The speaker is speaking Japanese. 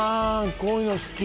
こういうの好き